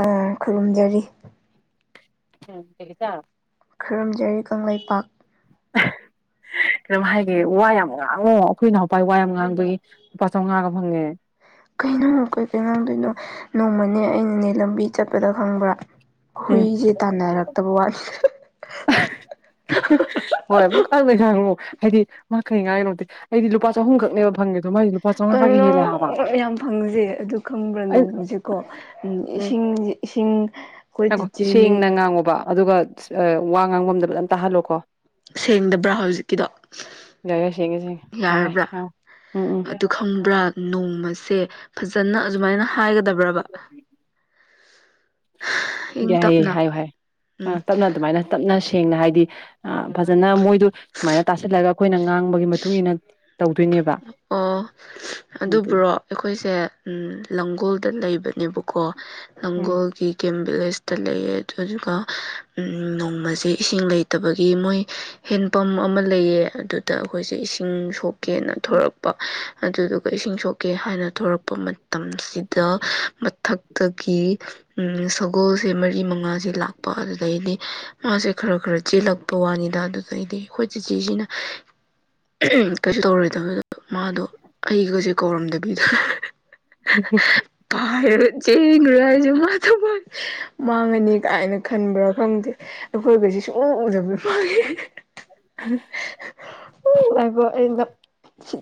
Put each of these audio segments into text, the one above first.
ꯑꯥ ꯈꯨꯔꯨꯝꯖꯔꯤ [unintelligible] ꯈꯨꯔꯨꯝꯖꯔꯤ ꯀꯪꯂꯩꯄꯥꯛ ꯀꯩꯅꯣꯝ ꯍꯥꯏꯒꯦ ꯋꯥ ꯌꯥꯝ ꯉꯥꯡꯉꯣ ꯑꯩꯈꯣꯏ ꯅꯥꯎꯄꯥ ꯋꯥ ꯌꯥꯝ ꯉꯥꯡꯕꯒꯤ ꯂꯨꯄꯥ ꯆꯧꯉꯥꯒ ꯐꯪꯉꯦ ꯀꯩꯅꯣ ꯀꯩ ꯀꯩ ꯉꯥꯡꯗꯣꯏꯅꯣ ꯅꯣꯡꯃꯅꯦ ꯑꯩꯅꯅꯦ ꯂꯝꯕꯤ ꯆꯠꯄꯗ ꯈꯪꯕ꯭ꯔꯥ ꯎꯝ ꯍꯨꯏꯁꯦ ꯇꯥꯟꯅꯔꯛꯇꯕ ꯋꯥꯅꯤ [unintelligible] ꯍꯣꯏ ꯑꯃꯨꯛꯀ ꯂꯩ ꯉꯥꯡꯉꯨ ꯍꯥꯏꯗꯤ ꯃꯥ ꯀꯩ ꯉꯥꯏꯉꯤꯅꯣꯗꯦ ꯑꯩꯗꯤ ꯂꯨꯄꯥ ꯆꯍꯨꯝꯈꯛꯅꯦꯕ ꯐꯪꯉꯤ ꯀꯩꯅꯣ ꯌꯥꯝ ꯐꯪꯏꯁꯦ ꯑꯗꯨ ꯈꯪꯕ꯭ꯔꯥꯅꯣ ꯑꯩ ꯀꯣ ꯎꯝ ꯏꯁꯤꯡ ꯏꯁꯤꯡ ꯉꯥꯏꯈꯣ ꯇꯤꯆꯦꯅꯦ ꯁꯦꯡꯅ ꯉꯥꯡꯉꯣꯕ ꯑꯗꯨꯒ ꯋꯥ ꯉꯥꯡꯕꯝꯗ ꯐꯖꯟꯅ ꯇꯥꯍꯜꯂꯣꯀꯣ ꯁꯦꯡꯗꯕ꯭ꯔꯥ ꯍꯧꯖꯤꯛꯀꯤꯗꯣ ꯌꯥꯏꯔꯦ ꯁꯦꯡꯉꯦ ꯁꯦꯡꯉꯦ ꯌꯥꯔꯕ꯭ꯔꯥ ꯉꯥꯡꯉꯣ ꯎꯝ ꯑꯗꯨ ꯈꯪꯕ꯭ꯔꯥ ꯅꯣꯡꯃꯁꯦ ꯐꯖꯅ ꯑꯗꯨꯃꯥꯏꯅ ꯍꯥꯏꯒꯗꯕ꯭ꯔꯕ ꯏꯪ ꯌꯥꯏꯌꯦ ꯇꯞꯅ ꯍꯥꯏꯌꯨ ꯍꯥꯏꯌꯨ ꯎꯝ ꯇꯞꯅ ꯑꯗꯨꯃꯥꯏꯅ ꯇꯞꯅ ꯁꯦꯡꯅ ꯍꯥꯏꯗꯤ ꯑꯥ ꯐꯖꯟꯅ ꯃꯣꯏꯗꯨ ꯁꯨꯃꯥꯏꯅ ꯇꯥꯁꯤꯜꯂꯒ ꯑꯩꯈꯣꯏꯅ ꯉꯥꯡꯕꯒꯤ ꯃꯇꯨꯡ ꯏꯟꯅ ꯇꯧꯗꯣꯏꯅꯦꯕ ꯑꯣ ꯑꯗꯨ ꯑꯗꯨꯕꯨꯔꯣ ꯑꯩꯈꯣꯏꯁꯦ ꯎꯝ ꯂꯥꯡꯒꯣꯜꯗ ꯂꯩꯕꯅꯦꯕꯀꯣ ꯎꯝ ꯂꯥꯡꯒꯣꯜꯒꯤ ꯀꯦꯝ ꯚꯤꯂꯦꯖꯇ ꯂꯩꯌꯦ ꯑꯗꯨꯗꯨꯒ ꯎꯝ ꯅꯣꯡꯃꯁꯦ ꯏꯁꯤꯡ ꯂꯩꯇꯕꯒꯤ ꯃꯣꯏ ꯍꯦꯟꯄꯝ ꯑꯃꯥ ꯂꯩꯌꯦ ꯑꯗꯨꯗ ꯑꯩꯈꯣꯏꯁꯦ ꯏꯁꯤꯡ ꯁꯣꯛꯀꯦꯅ ꯊꯣꯔꯛꯄ ꯑꯗꯨꯗꯨꯒ ꯏꯁꯤꯡ ꯁꯣꯛꯀꯦ ꯍꯥꯏꯅ ꯊꯣꯔꯛꯄ ꯃꯇꯝꯁꯤꯗ ꯃꯊꯛꯇꯒꯤ ꯎꯝ ꯁꯒꯣꯜꯁꯦ ꯃꯔꯤ ꯃꯉꯥꯁꯦ ꯂꯥꯛꯄ ꯑꯗꯨꯗꯩꯗꯤ ꯃꯥꯁꯦ ꯈꯔ ꯈꯔ ꯆꯦꯜꯂꯛꯄ ꯄꯋꯥꯅꯤꯗ ꯑꯗꯨꯗꯩꯗꯤ ꯑꯩꯈꯣꯏ ꯆꯤꯆꯦꯁꯤꯅ ꯀꯩꯁꯨ ꯇꯧꯔꯣꯏ ꯑꯗꯨꯗ ꯃꯥꯗꯣ ꯑꯩꯒꯁꯦ ꯀꯧꯔꯝꯗꯕꯤꯗ [unintelligible] ꯍꯥꯏ ꯆꯦꯟꯈ꯭ꯔꯦ ꯍꯥꯏꯁꯦ ꯃꯥꯁꯨ ꯃꯥꯡꯉꯅꯤ ꯀꯥꯏꯅ ꯈꯟꯕ꯭ꯔꯥ ꯈꯪꯗꯦ ꯑꯈꯣꯢꯒꯖꯦ ꯁꯨꯡꯎ ꯎꯗ ꯍꯥꯏꯕꯣ ꯑꯩꯅ [unintelligible] [unintelligible] ꯁꯤ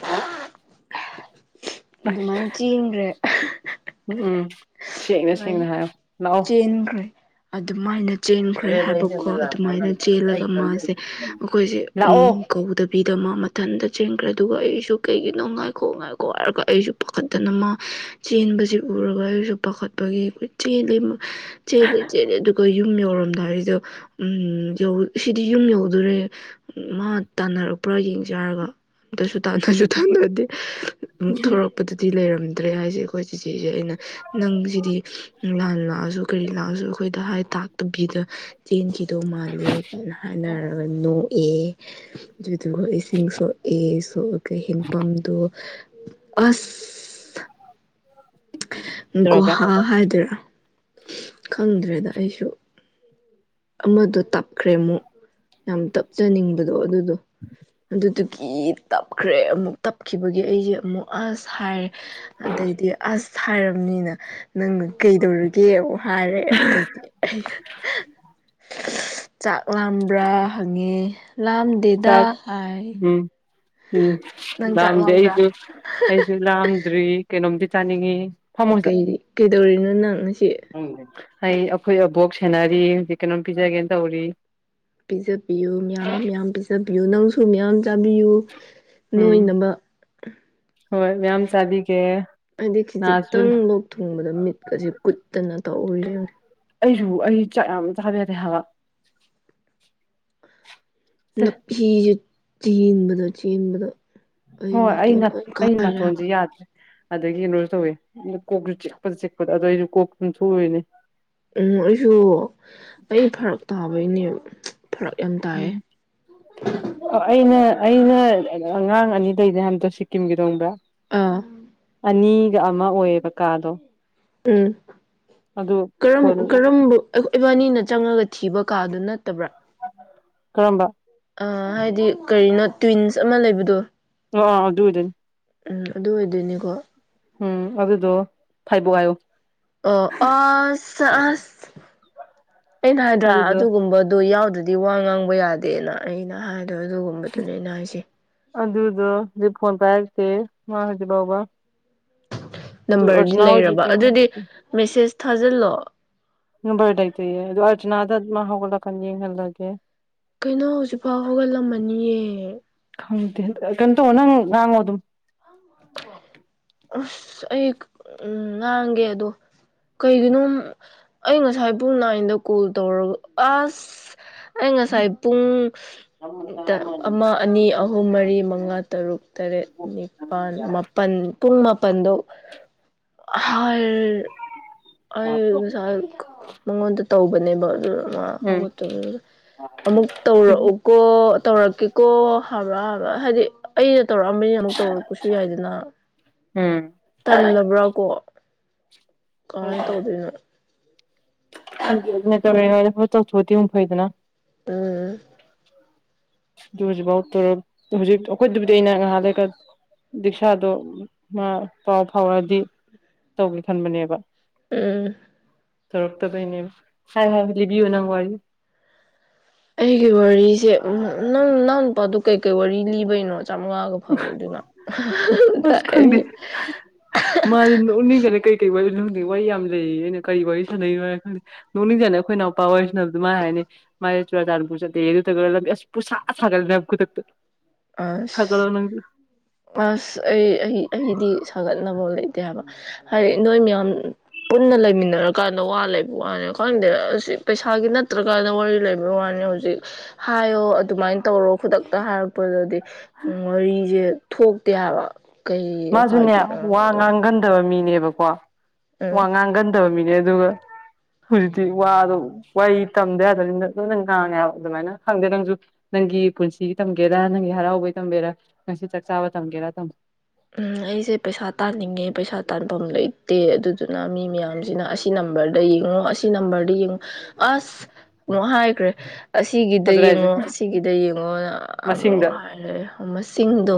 [unintelligible] ꯑꯗꯨꯃꯥꯏꯅ ꯆꯦꯟꯒ꯭ꯔꯦ ꯎꯝ ꯎꯝ ꯁꯦꯡꯅ ꯑꯗꯨꯃꯥꯏ ꯁꯦꯡꯅ ꯍꯥꯏꯌꯣ ꯂꯥꯛꯑꯣ ꯇꯦꯟꯈ꯭ꯔꯦ ꯑꯗꯨꯃꯥꯏꯅ [unintelligible] ꯆꯦꯟꯈ꯭ꯔꯦ ꯍꯥꯏꯕꯀꯣ ꯑꯗꯨꯃꯥꯏꯅ ꯆꯦꯜꯂꯒ ꯃꯥꯖꯦ ꯃꯈꯣꯏꯁꯦ ꯂꯥꯛꯑꯣ ꯎꯝ ꯀꯧꯕꯗ ꯅꯨꯄꯤꯗꯣ ꯃꯥ ꯃꯊꯟꯇ ꯆꯦꯟꯈ꯭ꯔꯦ ꯑꯗꯨꯒ ꯑꯩꯁꯨ ꯀꯩꯒꯤꯅꯣ ꯉꯥꯏꯈꯣ ꯉꯥꯏꯈꯣ ꯍꯥꯏꯔꯒ ꯑꯩꯁꯨ ꯄꯥꯈꯠꯇꯅ ꯃꯥ ꯆꯦꯟꯕꯖꯦ ꯎꯔꯒ ꯑꯩꯁꯨ ꯄꯥꯈꯠꯄꯒꯤ ꯀꯣꯢꯆꯦꯟ ꯆꯦꯜꯂꯦ ꯆꯦꯜꯂꯦ ꯑꯗꯨꯒ ꯌꯨꯝ ꯌꯧꯔꯝꯗꯥꯢꯖꯤꯗ ꯎꯝ ꯁꯤꯗꯤ ꯌꯨꯝ ꯌꯧꯗꯣꯔꯦ ꯃꯥ ꯇꯥꯟꯅꯔꯛꯄ꯭ꯔꯥ ꯌꯦꯡꯖꯦ ꯍꯥꯢꯔꯒ ꯑꯝꯇꯁꯨ ꯇꯥꯟꯅꯁꯨ ꯇꯥꯟꯅꯗꯦ ꯎꯝ ꯊꯣꯔꯦꯛ ꯗꯨꯗꯗꯤ ꯂꯩꯔꯝꯗ꯭ꯔꯦ ꯍꯥꯏꯁꯦ ꯑꯩꯈꯣꯏ ꯆꯤꯆꯦꯁꯦ ꯑꯩꯅ ꯅꯪ ꯁꯤꯗꯤ ꯂꯥꯟ ꯂꯥꯛꯑꯁꯨ ꯀꯔꯤ ꯂꯥꯛꯑꯁꯨ ꯑꯩꯈꯣꯏꯗ ꯍꯥꯏ ꯇꯥꯛ ꯅꯨꯄꯤꯗꯣ ꯆꯦꯟꯈꯤꯗꯧ ꯃꯥꯜꯂꯦ ꯀꯥꯢꯅ ꯍꯥꯏꯅꯔꯒ ꯅꯣꯛꯑꯦꯌꯦꯣ ꯑꯗꯨꯗꯨꯒ ꯏꯁꯤꯡ ꯁꯣꯛꯑꯦ ꯁꯣꯛꯑꯒ ꯍꯦꯟꯄꯝꯗꯣ ꯑꯁ ꯀꯩꯗꯧꯔꯒꯦ ꯒꯣꯍꯥ ꯍꯥꯏꯗꯣꯏꯔꯣ ꯈꯪꯗ꯭ꯔꯦꯗ ꯑꯩꯁꯨ ꯑꯃꯗꯣ ꯇꯞꯈ꯭ꯔꯦ ꯑꯃꯨꯛ ꯌꯥꯝ ꯇꯞꯆꯅꯤꯡꯕꯗꯣ ꯑꯗꯨꯗꯣ ꯑꯗꯨꯗꯨꯒꯤ ꯇꯞꯈ꯭ꯔꯦ ꯑꯃꯨꯛ ꯇꯞꯈꯤꯕꯒꯤ ꯑꯩꯖꯦ ꯑꯃꯨꯛ ꯑꯁ ꯍꯥꯏꯔꯦ ꯑꯗꯩꯗꯤ ꯑꯁ ꯍꯥꯏꯔꯕꯅꯤꯅ ꯅꯪꯅ ꯀꯩꯗꯧꯔꯤꯒꯦ ꯑꯃꯨ ꯍꯥꯏꯔꯦ ꯑꯗꯩꯗꯤ ꯑꯩꯅ ꯆꯥꯛ ꯂꯥꯝꯕ꯭ꯔꯥ ꯍꯪꯉꯦ ꯂꯥꯝꯗꯦꯗ ꯆꯥꯛ ꯍꯥꯏ ꯎꯝ ꯎꯝ ꯅꯪ ꯆꯥꯛ ꯂꯥꯝꯗꯦ ꯂꯥꯝꯕ꯭ꯔꯥ ꯑꯩꯁꯨ ꯑꯩꯁꯨ ꯂꯥꯝꯗ꯭ꯔꯤ ꯀꯩꯅꯣꯝꯗꯤ ꯆꯥꯅꯤꯡꯉꯤ ꯐꯝꯃꯣ ꯁꯤꯗ ꯀꯩ ꯀꯩꯗꯧꯔꯤꯅꯣ ꯅꯪ ꯉꯁꯤ ꯑꯩ ꯑꯩꯈꯣꯏ ꯑꯕꯣꯛ ꯁꯦꯟꯅꯔꯤ ꯍꯧꯖꯤꯛ ꯀꯩꯅꯣꯝ ꯄꯤꯖꯒꯦ ꯇꯧꯔꯤ ꯄꯤꯖꯕꯤꯌꯨ ꯃꯌꯥꯝ ꯃꯌꯥꯝ ꯄꯤꯖꯕꯤꯌꯨ ꯅꯪꯁꯨ ꯃꯌꯥꯝ ꯆꯥꯕꯤꯌꯨ ꯎꯝ ꯅꯣꯏꯅꯕ ꯍꯣꯏ ꯃꯌꯥꯝ ꯆꯥꯕꯤ ꯒꯦ ꯑꯩꯗꯤ ꯈꯤꯖꯤꯛꯇꯪ ꯂꯣꯛ ꯊꯨꯡꯕꯗ ꯃꯤꯠꯀꯁꯤꯦ ꯀꯨꯠꯇꯅ ꯇꯧꯔꯤꯖꯦ ꯌꯦꯡꯉꯣ ꯑꯩꯁꯨ ꯑꯩ ꯆꯥꯛ ꯌꯥꯝ ꯆꯥꯖꯗꯦ ꯍꯥꯏꯕ ꯁꯦ ꯅꯨꯐꯤꯁꯦ ꯆꯦꯟꯕꯗ ꯆꯦꯟꯕꯗ ꯑꯩ ꯍꯣꯏ ꯅꯥꯇꯣꯟ ꯑꯩꯩꯅ ꯂꯣꯏ ꯑꯩ ꯀꯥꯏꯔꯦꯕ ꯅꯥꯊꯣꯟꯖꯦ ꯌꯥꯗ꯭ꯔꯦ ꯑꯗꯒꯤ ꯀꯩꯅꯣꯁꯨ ꯇꯧꯋꯦ ꯀꯣꯛꯁꯨ ꯆꯤꯛꯄꯗ ꯆꯤꯛꯄꯗꯣ ꯑꯗꯨꯗꯣ ꯑꯩꯁꯨ ꯀꯣꯛ ꯑꯗꯨꯝ ꯊꯣꯛꯎꯏꯅꯦ ꯎꯝ ꯑꯩꯁꯨ ꯑꯩ ꯐꯔꯛ ꯇꯥꯕꯩꯅꯦ ꯐꯔꯛ ꯌꯥꯝ ꯇꯥꯏꯌꯦ ꯎꯝ ꯑꯩꯅ ꯑꯩꯅ ꯑꯉꯥꯡ ꯑꯅꯤ ꯗꯩꯅꯦ ꯍꯥꯏꯕꯗꯣ ꯁꯤꯛꯀꯤꯝꯒꯤꯗꯣ ꯈꯪꯕ꯭ꯔ ꯑꯥ ꯑꯅꯤꯒ ꯑꯃ ꯑꯣꯏꯌꯦꯕ ꯀꯥꯗꯣ ꯎꯝ ꯑꯗꯨ ꯐꯣꯟ ꯑꯩꯈꯣꯏ ꯏꯕꯥꯅꯤꯅ ꯆꯪꯉꯒ ꯊꯤꯕ ꯀꯥꯗꯨ ꯅꯠꯇꯕ꯭ꯔꯥ ꯀꯔꯝꯕ ꯍꯥꯏꯗꯤ ꯀꯔꯤꯅꯣ ꯇ꯭ꯋꯤꯟꯁ ꯑꯃ ꯂꯩꯕꯗꯣ [unintelligible] ꯎꯝ ꯑꯗꯨ ꯑꯣꯏꯗꯣꯏꯅꯤꯀꯣ ꯎꯝ ꯑꯗꯨꯗꯨꯣ ꯐꯥꯏꯕꯣꯛ ꯍꯥꯏꯌꯣ ꯑꯣ ꯑꯁ ꯑꯁ ꯑꯩꯅ ꯍꯥꯏꯗ꯭ꯔꯥ ꯑꯗꯨꯗꯣ ꯑꯗꯨꯒꯨꯝꯕꯗꯨ ꯌꯥꯎꯗ꯭ꯔꯗꯤ ꯗꯤ ꯋꯥ ꯉꯥꯡꯕ ꯌꯥꯗꯦꯅ ꯑꯩꯅ ꯍꯥꯏꯗꯣ ꯑꯗꯨꯒꯨꯝꯕꯗꯨꯅ ꯑꯩꯅ ꯍꯥꯏꯁꯦ ꯑꯗꯨꯗꯣ ꯍꯧꯖꯤꯛ ꯐꯣꯟ ꯄꯥꯏꯔꯛꯇꯦ ꯃꯥ ꯍꯥꯏꯖꯤꯛ ꯐꯥꯎꯕ ꯑꯗꯨ ꯅꯝꯕꯔꯗꯤ ꯑꯔꯆꯅꯥ ꯍꯣꯏꯁꯨ ꯂꯩꯔꯕ ꯀꯩꯝ ꯑꯗꯨꯗꯤ ꯍꯥꯏꯔꯛꯇꯦ ꯃꯦꯁꯦꯁ ꯊꯥꯖꯤꯜꯂꯣ ꯅꯝꯕꯔ ꯂꯩꯇꯦꯌꯦ ꯑꯗꯨ ꯑꯔꯖꯗ ꯃꯥ ꯍꯧꯒꯠꯂꯛꯀꯥꯟꯗ ꯌꯦꯡꯍꯜꯂꯒꯦ ꯀꯩꯅꯣ ꯍꯧꯖꯤꯛꯐꯥꯎ ꯍꯧꯒꯠꯂꯝꯃꯅꯤꯌꯦ ꯈꯪꯗꯦ ꯀꯩꯅꯣ ꯇꯧꯔꯣ ꯅꯪꯅ ꯉꯥꯡꯉꯣ ꯑꯗꯨꯝ [inaudible] ꯑꯁ ꯑꯩ ꯎꯝ ꯉꯥꯡꯒꯦ ꯑꯗꯣ ꯀꯩꯒꯤꯅꯣ ꯑꯩ ꯉꯁꯥꯏ ꯄꯨꯡ ꯅꯥꯏꯟꯗ ꯀꯣꯜ ꯇꯧꯔꯒ ꯑꯁ ꯑꯩ ꯉꯁꯥꯏ ꯄꯨꯡ ꯑꯃ ꯑꯅꯤ ꯑꯍꯨꯝ ꯃꯔꯤ ꯃꯉꯥ ꯇꯔꯨꯛ ꯇꯔꯦꯠ ꯅꯤꯄꯥꯜ ꯃꯥꯄꯜ ꯄꯨꯡ ꯃꯥ [unintelligible] ꯑꯩ ꯉꯁꯥꯏ ꯃꯉꯣꯟꯗ ꯇꯧꯕꯅꯦꯕ ꯑꯗꯨ ꯎꯝ [unintelligible] ꯑꯃꯨꯛ ꯇꯧꯔ ꯀꯣ ꯇꯧꯔꯛꯀꯦꯀꯣ ꯍꯥꯕ꯭ꯔꯥ ꯍꯥꯏꯕ꯭ꯔꯥ ꯍꯥꯏꯗꯤ ꯑꯩꯅ ꯇꯧꯔꯛꯑꯝꯕꯅꯤꯅ ꯑꯃꯨꯛ ꯇꯧꯔꯛꯄꯁꯨ ꯌꯥꯏꯗꯅ ꯎꯝ ꯇꯜꯂꯕ꯭ꯔꯥ ꯀꯣ ꯀꯃꯥꯏꯅ ꯇꯧꯗꯣꯏꯅꯣ [unintelligible] ꯐꯩꯗꯅ ꯎꯝ ꯑꯗꯨ ꯍꯧꯖꯤꯛꯐꯥꯎꯇ ꯍꯧꯖꯤꯛ ꯑꯩꯈꯣꯏꯗꯨꯕꯨꯗꯤ ꯑꯩꯅ ꯉꯍꯥꯟꯗꯩ ꯀ ꯔꯤꯛꯁꯥꯗꯣ ꯃꯥ ꯄꯥꯎ ꯐꯥꯎꯔꯗꯤ ꯇꯧꯒꯦ ꯈꯟꯕꯅꯦꯕ ꯎꯝ ꯇꯧꯔꯛꯇꯕꯩꯅꯦꯕ ꯐꯥꯏ ꯍꯥꯏꯕꯗꯤ ꯂꯤꯕꯤꯌꯨ ꯅꯪ ꯋꯥꯔꯤ ꯑꯩꯒꯤ ꯋꯥꯔꯤꯁꯦ ꯅꯪ ꯅꯪ ꯅꯨꯄꯥꯗꯨꯣ ꯀꯩꯀꯩ ꯋꯥꯔꯤ ꯂꯤꯕꯩꯅꯣ ꯆꯥꯝꯉꯥꯒ ꯐꯪꯉꯤ ꯗꯨꯅ ꯑꯁ [unintelligible] [unintelligible] ꯀꯩ ꯀꯩ ꯋꯥꯔꯤꯅꯣ ꯈꯡꯗꯦ ꯋꯥꯔꯤ ꯌꯥꯝ ꯂꯩꯌꯦ ꯑꯩꯅ ꯀꯔꯤ ꯋꯥꯔꯤ ꯁꯥꯟꯅꯩꯅꯣ ꯍꯥꯏꯔ ꯈꯪꯗꯦ ꯅꯣꯛꯅꯤꯡꯖꯥꯅꯤ ꯑꯩꯈꯣꯏꯅꯥꯎꯄꯥ ꯋꯥꯔꯤ ꯁꯥꯟꯅꯕꯗꯣ ꯃꯥꯅ ꯍꯥꯏꯅꯦ ꯃꯥꯖꯦ ꯆꯨꯔꯆꯥꯟꯄꯨꯔ ꯆꯠꯂꯦꯋꯦ ꯑꯗꯨꯗꯨꯒ ꯑꯁ ꯄꯨꯨꯡꯁꯥ ꯁꯥꯒꯠꯂꯤꯅꯦ ꯍꯥꯏꯕ ꯈꯨꯗꯛꯇ ꯑꯁ ꯊꯒꯠꯂꯣ ꯅꯪꯖꯨ ꯑꯁ ꯑꯩ ꯑꯩ ꯑꯩꯗꯤ ꯁꯥꯒꯠꯅꯕ ꯂꯩꯇꯦ ꯍꯥꯏꯕ ꯍꯥꯏꯗꯤ ꯅꯣꯏ ꯃꯌꯥꯝ ꯄꯨꯟꯅ ꯂꯩꯃꯤꯟꯅꯔꯀꯥꯟꯗ ꯋꯥ ꯂꯩꯕ ꯋꯥꯅꯦ ꯈꯪꯗꯦ ꯑꯁ ꯄꯩꯁꯥꯒꯤ ꯅꯠꯇ꯭ꯔꯀꯥꯟꯗ ꯋꯥꯔꯤ ꯂꯩꯕ ꯕꯥꯏ ꯋꯥꯅꯦ ꯍꯧꯖꯤꯛ ꯍꯥꯏꯌꯣ ꯑꯗꯨꯃꯥꯏꯅ ꯇꯧꯔꯣ ꯈꯨꯗꯛꯇ ꯍꯥꯏ ꯊꯣꯛꯄꯗꯗꯤ ꯋꯥꯔꯤꯁꯦ ꯊꯣꯛꯇꯦ ꯍꯥꯏꯕ ꯀꯩꯣ ꯃꯥꯁꯨꯅꯦ ꯍꯥꯏꯗꯤ ꯋꯥ ꯉꯥꯡꯒꯟꯗꯕ ꯃꯤꯅꯦꯕꯀꯣ ꯋꯥ ꯉꯥꯡꯒꯟꯗꯕ ꯃꯤꯅꯦ ꯑꯗꯨꯒ ꯍꯧꯖꯤꯛꯇꯤ ꯋꯥꯗꯣ ꯋꯥ ꯇꯝꯗ ꯌꯥꯗꯅꯤꯅ ꯂꯣꯏꯅꯪ ꯉꯥꯡꯉꯦ ꯍꯥꯏꯕ ꯑꯗꯨꯃꯥꯏꯅ ꯈꯪꯗꯦ ꯅꯪꯁꯨ ꯅꯪꯒꯤ ꯄꯨꯟꯁꯤ ꯇꯝꯒꯦꯔꯥ ꯅꯪꯒꯤ ꯍꯔꯥꯎꯕꯩ ꯇꯝꯒꯦꯔꯥ ꯅꯪꯁꯤ ꯆꯥꯛ ꯆꯥꯕ ꯇꯝꯒꯦꯔꯥ ꯎꯝ ꯑꯩꯁꯦ ꯄꯩꯁꯥ ꯇꯥꯅꯤꯡꯉꯦ ꯄꯩꯁꯥ ꯇꯥꯟꯐꯝ ꯂꯩꯇꯦ ꯑꯗꯨꯗꯨꯅ ꯃꯤ ꯃꯌꯥꯝꯁꯤꯅ ꯑꯁꯤ ꯅꯝꯕꯔꯗ ꯌꯦꯡꯉꯣ ꯑꯁꯤ ꯅꯝꯕꯔꯗ ꯌꯦꯡꯉꯣ ꯑꯁ ꯑꯃꯨꯛ ꯍꯥꯏꯈ꯭ꯔꯦ ꯑꯁꯤꯒꯤꯗ ꯑꯗꯨꯅꯦ ꯍꯥꯏꯁꯦ ꯌꯦꯡꯉꯣ ꯑꯁꯤꯒꯤꯗ ꯌꯦꯡꯉꯣꯅ ꯑꯃꯨꯛ ꯃꯁꯤꯡꯗ ꯍꯥꯏꯔꯑꯦ ꯃꯁꯤꯡꯗꯣ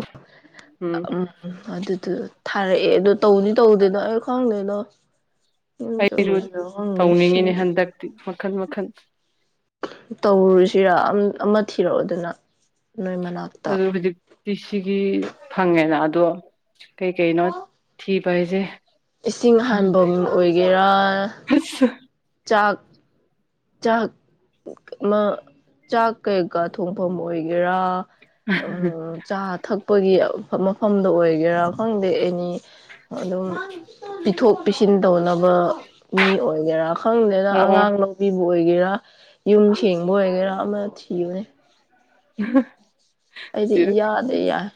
ꯎꯝ ꯑꯗꯨꯗꯨ ꯊꯥꯔꯛꯑꯦ ꯑꯗꯣ ꯇꯧꯅꯤ ꯇꯧꯗꯣꯏꯅꯣ ꯑꯩ ꯈꯪꯗꯣꯏꯅꯣ ꯑꯩꯁꯨ ꯁꯤ ꯇꯧꯅꯤꯡꯉꯤꯅꯦ ꯍꯟꯗꯛꯇꯤ ꯃꯈꯟ ꯃꯈꯜ ꯇꯧꯔꯨꯁꯤꯔꯥ ꯑꯃ ꯊꯤꯔꯛꯑꯣ ꯑꯗꯨꯅ ꯑꯗꯨ ꯍꯧꯖꯤꯛꯇꯤ ꯁꯤꯒꯤ ꯐꯪꯉꯦꯅ ꯑꯗꯣ ꯀꯩꯀꯩꯅꯣ ꯊꯤꯕꯥꯁꯦ ꯏꯁꯤꯡ ꯍꯟꯕꯝ ꯑꯣꯏꯒꯦꯔꯥ ꯍꯁ ꯆꯥꯛ ꯆꯥꯛ ꯃꯥ ꯆꯥꯛ ꯀꯩꯀꯥ ꯊꯣꯡꯐꯝ ꯑꯣꯏꯒꯦꯔꯥ ꯎꯝ ꯆꯥ ꯊꯛꯄꯒꯤ ꯃꯐꯝꯗ ꯑꯣꯏꯒꯦꯔꯥ ꯈꯪꯗꯦ ꯑꯦꯅꯤ ꯑꯗꯨꯝ ꯄꯤꯊꯣꯛ ꯄꯤꯁꯤꯟ ꯇꯧꯅꯕ ꯃꯤ ꯑꯣꯏꯒꯦꯔꯥ ꯈꯪꯗꯦꯅ ꯑꯣ ꯑꯣ ꯑꯉꯥꯡ ꯂꯧꯕꯤꯕ ꯑꯣꯏꯒꯦꯔꯥ ꯌꯨꯝ ꯁꯦꯡꯕ ꯑꯣꯏꯒꯦꯔꯥ ꯑꯃ ꯊꯤꯌꯨꯅꯦ [unintelligible] ꯑꯩꯗꯤ ꯏꯌꯥꯗ ꯌꯥꯏ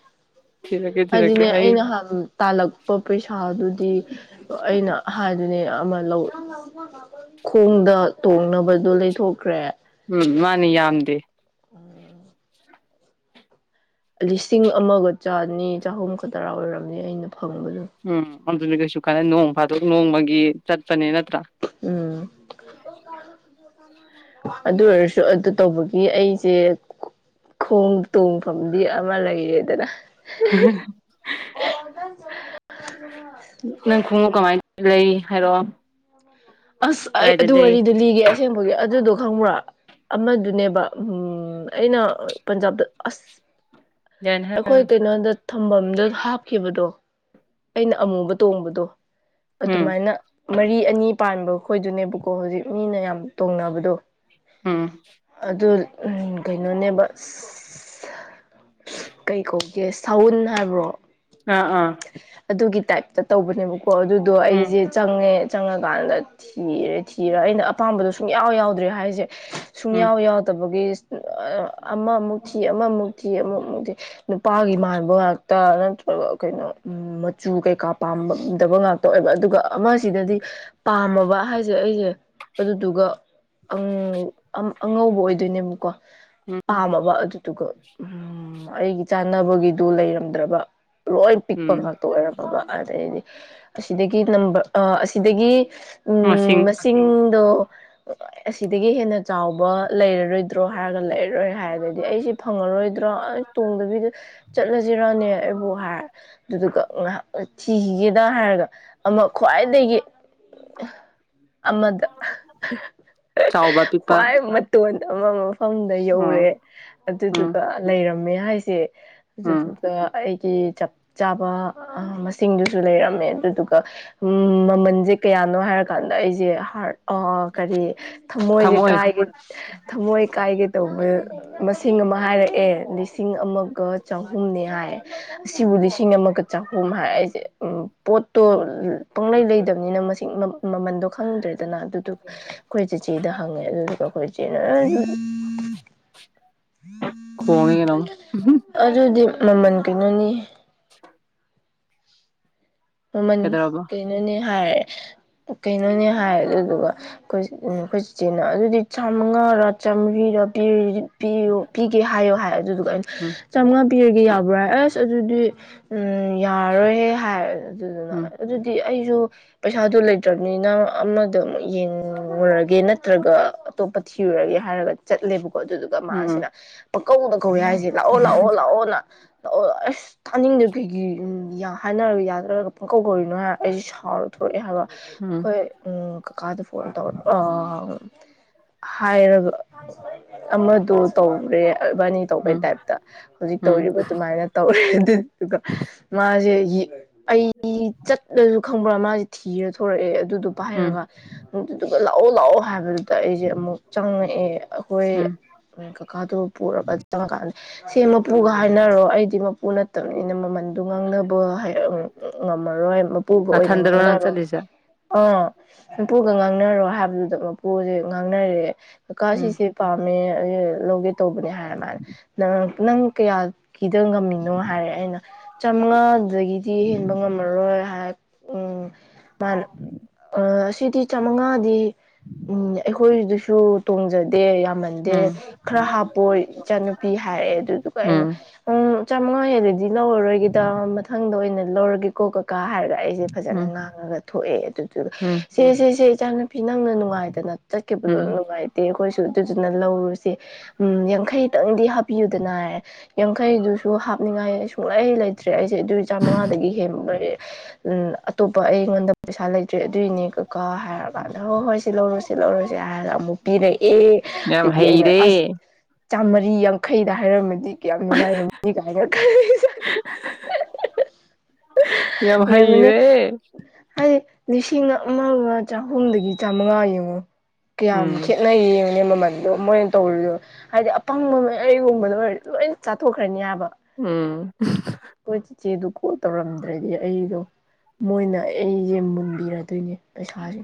ꯊꯤꯔꯛꯀꯦ ꯊꯤꯔꯛꯀꯦ ꯍꯥꯏꯗꯤꯅꯦ ꯑꯩ ꯅꯍꯥꯟ ꯇꯥꯜꯂꯛꯄ ꯄꯩꯁꯥꯗꯨꯗꯤ ꯑꯩꯅ ꯍꯥꯏꯗꯨꯅꯦ ꯑꯃ ꯂꯧ ꯈꯣꯡꯗ ꯇꯣꯡꯅꯕꯗꯣ ꯂꯩꯊꯣꯛꯈ꯭ꯔꯦ ꯎꯝ ꯃꯥꯅꯤ ꯌꯥꯝꯗꯦ [inaudible] ꯂꯤꯁꯤꯡ ꯑꯃꯒ ꯆꯅꯤ ꯆꯍꯨꯝ ꯈꯇꯔꯥ ꯑꯣꯏꯔꯝꯅꯤ ꯑꯩꯅ ꯐꯪꯕꯗꯨ ꯎꯝ [unintelligible] ꯅꯣꯡ ꯐꯥꯗꯣꯛ ꯅꯣꯡꯃꯒꯤ ꯆꯠꯄꯅꯦ ꯅꯠꯇ꯭ꯔꯥ ꯎꯝ ꯑꯗꯨ ꯑꯣꯏꯔꯁꯨ ꯑꯗꯨ ꯇꯧꯕꯒꯤ ꯑꯩꯁꯦ ꯈꯣꯡ ꯇꯣꯡꯐꯝꯗꯤ ꯑꯃ ꯂꯩꯔꯦꯗꯅ [unintelligible] ꯅꯪ ꯈꯣꯡꯎꯞ ꯀꯃꯥꯏ ꯂꯩ ꯍꯥꯏꯔꯛꯑꯣ ꯑꯁ ꯑꯩ ꯀꯗꯥꯏꯗ ꯑꯗꯨ ꯂꯩ ꯋꯥꯔꯤꯗꯨ ꯂꯤꯒꯦ ꯑꯁꯦꯡꯕꯒꯤ ꯑꯗꯨꯗꯣ ꯈꯪꯕ꯭ꯔꯥ ꯑꯃꯗꯨꯅꯦꯕ ꯑꯝ ꯑꯩꯅ ꯄꯟꯖꯥꯕꯇ ꯑꯁ ꯑꯩꯈꯣꯏ ꯀꯩꯅꯣꯗ ꯊꯝꯐꯝꯝꯗ ꯍꯥꯞꯈꯤꯕꯗꯣ ꯑꯩꯅ ꯑꯃꯨꯕ ꯇꯣꯡꯕꯗꯣ ꯎꯝ ꯑꯗꯨꯃꯥꯏꯅ ꯃꯔꯤ ꯑꯅꯤ ꯄꯥꯟꯕꯈꯣꯏꯗꯨꯅꯦꯕꯀꯣ ꯍꯧꯖꯤꯛ ꯃꯤꯅ ꯌꯥꯝ ꯇꯣꯡꯅꯕꯗꯣ ꯎꯝ ꯑꯗꯨ ꯀꯩꯅꯣꯅꯦꯕ ꯀꯩ ꯀꯧꯒꯦ ꯁꯎꯟ ꯍꯥꯏꯕ꯭ꯔꯣ ꯑꯥ ꯑꯥ ꯑꯗꯨꯒꯤ ꯇꯥꯏꯞꯇ ꯇꯧꯕꯅꯦꯕꯀꯣ ꯑꯗꯨꯗꯣ ꯎꯝ ꯑꯩꯁꯦ ꯆꯪꯉꯦ ꯆꯪꯉꯀꯥꯟꯗ ꯊꯤꯔꯦ ꯊꯤꯔꯦ ꯑꯩꯅ ꯑꯄꯥꯝꯕꯗꯣ ꯁꯨꯡꯌꯥꯎ ꯌꯥꯎꯗ꯭ꯔꯦ ꯍꯥꯏꯁꯦ ꯎꯝ ꯁꯨꯡꯌꯥꯎ ꯌꯥꯎꯗꯕꯒꯤ ꯑꯃꯃꯨꯛ ꯊꯤ ꯑꯃꯃꯨꯛ ꯊꯤ ꯑꯃꯨꯛ ꯃꯨꯛ ꯊꯤ ꯅꯨꯄꯥꯒꯤ ꯃꯥꯟꯕ ꯉꯥꯛꯇ ꯅꯠꯇ꯭ꯔꯒ ꯀꯩꯅꯣ ꯎꯝ ꯃꯆꯨ ꯀꯩꯀꯥ ꯄꯥꯝꯗꯕ ꯉꯥꯛꯇ ꯑꯣꯏꯕ ꯑꯗꯨꯒ ꯑꯃꯁꯤꯗꯗꯤ ꯄꯥꯝꯃꯕ ꯍꯥꯏꯁꯦ ꯑꯩꯁꯦ ꯑꯗꯨꯗꯨꯒ ꯑꯉꯧꯕ ꯑꯣꯏꯗꯣꯏꯅꯦꯕꯀꯣ ꯎꯝ ꯄꯥꯝꯃꯕ ꯑꯗꯨꯗꯨꯒ ꯎꯝ ꯑꯩꯒꯤ ꯆꯥꯅꯕꯒꯤꯗꯨ ꯂꯩꯔꯝꯗ꯭ꯔꯕ ꯂꯣꯏ ꯄꯤꯛꯄ ꯎꯝ ꯉꯥꯛꯇ ꯑꯣꯏꯔꯝ ꯑꯣ ꯑꯗꯩꯗꯤ ꯑꯁꯤꯗꯒꯤ ꯅꯝꯕꯔ ꯑ ꯑꯁꯤꯗꯒꯤ ꯃꯁꯤꯡ ꯁꯤꯡꯗꯣ ꯑꯁꯤꯗꯒꯤ ꯍꯦꯟꯅ ꯆꯥꯎꯕ ꯂꯩꯔ ꯂꯩꯔꯣꯏꯗ꯭ꯔꯣ ꯍꯥꯏꯔꯒ ꯂꯩꯔꯔꯣꯏ ꯍꯥꯏ ꯑꯗꯩꯗꯤ ꯑꯩꯁꯦ ꯐꯪꯉꯔꯣꯏꯗ꯭ꯔ ꯇꯣꯡꯗꯕꯤꯗ ꯆꯠꯂꯁꯤꯔꯅꯦ ꯑꯩꯕꯨ ꯍꯥꯏꯔ ꯑꯗꯨꯗꯨꯒ ꯉꯥꯏꯍꯥꯛ ꯊꯤꯈꯤꯒꯦꯗ ꯍꯥꯏꯔꯒ ꯑꯃ ꯈ꯭ꯋꯥꯏꯗꯒꯤ ꯑꯃꯗ ꯆꯥꯎꯕ ꯄꯤꯛꯄ ꯈ꯭ꯋꯥꯏ ꯇꯣꯟ ꯑꯃꯐꯝꯗ ꯎꯝ ꯌꯧꯔꯦ ꯎꯝ ꯑꯗꯨꯗꯨꯒ ꯂꯩꯔꯝꯃꯦ ꯍꯥꯏꯁꯦ ꯎꯝ ꯑꯗꯨꯗꯨꯒ ꯑꯩꯒꯤ ꯆꯞ ꯆꯥꯕ ꯃꯁꯤꯡꯗꯨꯁꯨ ꯂꯩꯔꯝꯃꯦ ꯑꯗꯨꯗꯨꯒ ꯎꯝ ꯃꯃꯜꯁꯦ ꯀꯌꯥꯅꯣ ꯍꯥꯏꯔꯀꯥꯟꯗ ꯑꯩꯁꯦ ꯍꯥꯔꯠ ꯀꯔꯤ ꯊꯝꯃꯣꯏꯁꯦ ꯊꯝꯃꯣꯏ ꯀꯥꯏꯒꯦ ꯊꯝꯃꯣꯏ ꯀꯥꯏꯒꯦ ꯇꯧꯕ ꯃꯁꯤꯡ ꯑꯃ ꯍꯥꯏꯔꯛꯑꯦ ꯂꯤꯁꯤꯡ ꯑꯃꯒ ꯆꯍꯨꯝꯅꯦ ꯍꯥꯏ ꯑꯁꯤꯕꯨ ꯂꯤꯁꯤꯡ ꯑꯃꯒ ꯆꯍꯨꯝ ꯍꯥꯏꯔ ꯑꯩꯁꯦ ꯎꯝ ꯄꯣꯠꯇꯣ ꯄꯪꯂꯩ ꯂꯩꯗꯝꯅꯤꯅ ꯃꯁꯤꯡ ꯃꯃꯟꯗꯣ ꯈꯪꯗ꯭ꯔꯦꯗꯅ ꯑꯗꯨꯗꯨ ꯑꯩꯈꯣꯏ ꯆꯤꯆꯦꯗ ꯍꯪꯉꯦ ꯑꯗꯨꯗꯨꯒ ꯑꯩꯈꯣꯏ ꯏꯆꯦꯅ ꯈꯣꯡꯉ ꯀꯅ ꯑꯗꯨꯗꯤ ꯃꯃꯜ ꯀꯩꯅꯣꯅꯤ ꯃꯃꯜ ꯀꯩꯗꯧꯔꯕ ꯀꯩꯅꯣꯅꯦ ꯍꯥꯏꯔꯦ ꯀꯩꯅꯣꯅꯦ ꯍꯥꯏꯔꯦ ꯑꯗꯨꯗꯨꯒ ꯑꯩꯈꯣꯏ ꯑꯩꯈꯣꯏ ꯆꯤꯆꯦꯟꯅ ꯑꯗꯨꯗꯤ ꯆꯥꯝꯃꯉꯥꯔ ꯆꯥꯝꯃꯔꯤꯔ ꯄꯤꯔ ꯄꯤꯌꯣ ꯄꯤꯒꯦ ꯍꯥꯏꯌꯣ ꯍꯥꯏ ꯑꯗꯨꯗꯨꯒ ꯑꯩꯅ ꯎꯝ ꯆꯥꯝꯃꯉꯥ ꯄꯤꯔꯒꯦ ꯌꯥꯕ꯭ꯔꯥ ꯑꯁ ꯑꯗꯨꯗꯤ ꯎꯝ ꯌꯥꯔꯔꯣꯏꯍꯦ ꯍꯥꯏꯔ ꯑꯗꯨꯗꯨꯅ ꯎꯝ ꯑꯗꯨꯗꯤ ꯑꯩꯁꯨ ꯄꯩꯁꯥꯗꯨ ꯂꯩꯇ꯭ꯔꯕꯅꯤꯅ ꯑꯃꯗ ꯑꯃꯨꯛ ꯌꯦꯡꯂꯡꯉꯨꯔꯒꯦ ꯅꯠꯇ꯭ꯔꯒ ꯑꯇꯣꯞꯄ ꯊꯤꯔꯨꯔꯒꯦ ꯍꯥꯏꯔꯒ ꯆꯠꯂꯦꯕꯀꯣ ꯑꯗꯨꯗꯨ ꯑꯗꯨꯒ ꯎꯝ ꯎꯝ ꯃꯥꯁꯤꯅ ꯄꯀꯧꯗ ꯀꯧꯋꯦ ꯍꯥꯏꯔꯤꯁꯦ ꯂꯥꯛꯑꯣ ꯂꯥꯛꯑꯣ ꯂꯥꯛꯑꯣꯅ ꯑꯣ ꯑꯁ ꯊꯥꯅꯤꯡꯗꯦ ꯀꯩꯒꯤ ꯍꯥꯏꯅꯔꯒ ꯌꯥꯗꯔꯒ ꯄꯨꯡ ꯀꯧꯗꯧꯔꯤꯅꯣ ꯍꯥꯏꯔ ꯑꯩꯁꯦ ꯁꯥꯎꯔ ꯊꯣꯛꯣꯔꯛꯑꯦ ꯍꯥꯏꯕ ꯎꯝ ꯑꯩꯈꯣꯏ ꯀꯀꯥꯗ ꯐꯣꯟ ꯇꯧꯔꯛ ꯍꯥꯏꯔꯕ ꯑꯃꯗꯣ ꯇꯧ꯭ꯔꯦ ꯏꯕꯥꯅꯤ ꯇꯧꯕꯩ ꯎꯝ ꯇꯥꯏꯞꯇ ꯍꯧꯖꯤꯛ ꯎꯝ ꯇꯧꯔꯤꯕ ꯑꯗꯨꯃꯥꯏꯅ ꯇꯧꯔꯦ ꯑꯗꯨꯗꯨ ꯃꯥꯁꯦ ꯑꯩ ꯆꯠꯂꯁꯨ ꯈꯪꯕ꯭ꯔꯥ ꯃꯥꯁꯦ ꯊꯤꯔ ꯊꯣꯔꯛꯑꯦ ꯑꯗꯨꯗꯣ ꯎꯝ ꯄꯥꯏꯔꯒ ꯑꯗꯨꯗꯨꯒ ꯂꯥꯛꯑꯣ ꯂꯥꯛꯑꯣ ꯍꯥꯏꯕꯗꯨꯗ ꯑꯩꯁꯦ ꯑꯃꯨꯛ ꯆꯪꯉꯛꯑꯦ ꯑꯩꯈꯣꯏ ꯎꯝ ꯀꯀꯥꯗꯨꯣ ꯄꯨꯔꯒ ꯆꯪꯉꯀꯥꯟꯗ ꯁꯦ ꯃꯄꯨꯒ ꯍꯥꯏꯅꯔꯣ ꯑꯩꯗꯤ ꯃꯄꯨ ꯅꯠꯇꯕꯅꯤꯅ ꯃꯃꯟꯗꯨꯣ ꯉꯥꯡꯅꯕ ꯍꯥꯏ ꯎ ꯉꯝꯃꯔꯣꯏ ꯃꯄꯨꯕ ꯑꯣꯏꯅ ꯅꯊꯟꯗꯔꯣ ꯅꯪ ꯉꯥꯡꯅꯔꯣꯏ ꯆꯠꯂꯤꯁꯦ ꯑꯥ ꯃꯄꯨꯒ ꯉꯥꯡꯅꯔꯣ ꯍꯥꯏꯕꯗꯨꯗ ꯃꯄꯨꯁꯦ ꯉꯥꯡꯅꯔꯑꯦ ꯀꯀꯥ ꯎꯝ ꯁꯤꯁꯦ ꯄꯥꯝꯃꯦ ꯂꯧꯒꯦ ꯇꯧꯕꯅꯦ ꯍꯥꯏꯔ ꯃꯥꯅ ꯅꯪ ꯅꯪ ꯀꯌꯥꯒꯤꯗ ꯉꯝꯃꯤꯅꯣ ꯍꯥꯏꯔꯦ ꯑꯩꯅ ꯆꯥꯃꯉꯥꯗꯒꯤꯗꯤ ꯍ ꯉꯥꯝꯃꯔꯣꯏ ꯍꯥꯏ ꯎꯝ ꯃꯥꯅ ꯑ ꯑꯁꯤꯗꯤ ꯆꯥꯃꯉꯥꯗꯤ ꯎꯝ ꯑꯩꯈꯣꯏꯗꯨꯁꯨ ꯇꯣꯡꯖꯗꯦ ꯌꯥꯝꯃꯟ ꯎꯝ ꯗ ꯈꯔ ꯍꯥꯞꯄꯣꯏ ꯏꯆꯥꯅꯨꯄꯤ ꯍꯥꯏꯔꯦ ꯑꯗꯨꯗꯨꯒ ꯑꯩꯅ ꯎꯝ ꯎꯪ ꯆꯥꯝꯃꯉꯥ ꯍꯦꯜꯂꯗꯤ ꯂꯧꯔꯔꯣꯏꯒꯤꯗ ꯃꯊꯪꯗ ꯑꯣꯏꯅ ꯂꯧꯔꯒꯦꯀꯣ ꯀꯥ ꯍꯥꯏꯔꯒ ꯑꯩꯁꯦ ꯐꯖꯅ ꯎꯝ ꯉꯥꯡꯉꯒ ꯊꯣꯛꯑꯦ ꯑꯗꯨꯗꯨꯒ ꯎꯝ ꯁꯤ ꯁꯤꯁꯦ ꯏꯆꯥꯅ ꯅꯨꯄꯤ ꯅꯪꯅ ꯅꯨꯡꯉꯥꯏꯗꯅ ꯆꯠꯈꯤꯕꯗꯣ ꯎꯝ ꯅꯨꯡꯉꯥꯏ ꯇꯦ ꯑꯩꯈꯣꯏꯁꯨ ꯑꯗꯨꯗꯨꯅ ꯂꯧꯔꯨꯁꯦ ꯎꯝ ꯌꯥꯡꯈꯩꯇꯪꯗꯤ ꯍꯥꯞꯄꯤꯌꯨꯗꯅ ꯍꯥꯏ ꯌꯥꯡꯈꯩꯗꯨꯁꯨ ꯍꯥꯞꯅꯤꯡꯉꯥꯏ ꯁꯨꯡꯂꯩ ꯂꯩꯇ꯭ꯔꯦ ꯑꯩꯁꯦ ꯑꯗꯨꯏ ꯆꯥ ꯃꯃꯉꯥ ꯎ ꯑꯇꯣꯞꯄ ꯑꯩꯉꯣꯟꯗ ꯄꯩꯁꯥ ꯂꯩꯇ꯭ꯔꯦ ꯑꯗꯨꯏꯅꯦ ꯀꯣ ꯍꯥꯏꯔꯀꯥꯟꯗ ꯍꯣꯏ ꯍꯣꯏ ꯁꯤ ꯂꯧꯔꯨꯁꯤ ꯂꯧꯔꯨꯁꯦ ꯍꯥꯏꯔꯒ ꯑꯃꯨꯛ ꯄꯤꯔꯩ ꯑꯦ ꯌꯥꯝ ꯐꯩꯔꯦ ꯆꯥꯝꯃꯔꯤ ꯌꯥꯡꯈꯩꯗ ꯍꯥꯏꯔꯝꯃꯗꯤ ꯀꯌꯥꯝ ꯅꯨꯡꯉꯥꯏꯔꯝꯅꯤ ꯀꯥꯏꯅ ꯈ ꯌꯥꯝ ꯌꯥꯉꯅꯤ ꯍꯩꯔꯦ ꯍꯥꯏꯗꯤ ꯂꯤꯁꯤꯡ ꯑꯃꯒ ꯆꯍꯨꯝꯗꯒꯤ ꯆꯥꯃꯉꯥ ꯌꯦꯡꯉꯣ ꯀꯌꯥꯝ ꯎꯝ ꯈꯦꯅꯩ ꯅꯪ ꯌꯦꯡꯉꯅꯦ ꯃꯃꯜꯗꯣ ꯃꯣꯏꯅ ꯇꯧꯔꯨꯗꯣ ꯍꯥꯏꯗꯤ ꯑꯄꯪꯕ ꯑꯩꯒꯨꯝꯕꯗꯣ ꯑꯣꯏꯔꯗꯤ ꯂꯣꯏ ꯆꯥꯊꯣꯛꯈ꯭ꯔꯅꯤ ꯍꯥꯏꯕ ꯎꯝ ꯍꯣꯏ ꯆꯤꯆꯦꯗꯨ ꯀꯣꯜ ꯇꯧꯔꯝꯗ꯭ꯔꯗꯤ ꯑꯩꯗꯣ ꯃꯣꯏꯅ ꯑꯩꯁꯦ ꯃꯨꯟꯕꯤꯔꯗꯣꯏꯅꯦ ꯄꯩꯁꯥꯁꯦ